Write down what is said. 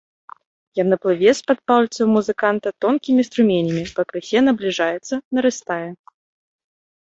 Яна плыве з-пад пальцаў музыканта тонкімі струменямі, пакрысе набліжаецца, нарастае.